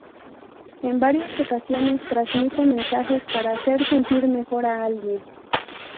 En varias ocasiones transmite mensajes para hacer sentir mejor a alguien.